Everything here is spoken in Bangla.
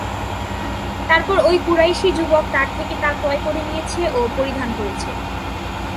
তারপর ঐ কুরাইশী যুবক তার থেকে তা ক্রয় করে নিয়েছে ও পরিধান করেছে।